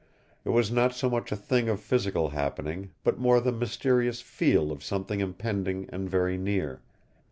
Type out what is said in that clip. It was not so much a thing of physical happening, but more the mysterious FEEL of something impending and very near.